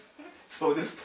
そうですか？